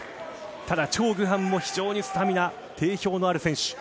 ただ、チョ・グハムも非常にスタミナに定評のある選手。